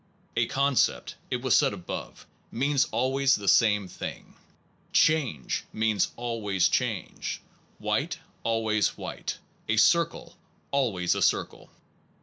A concept, it was said above, means always the same thing : Change means always change, The white always white, a circle always a self same circle.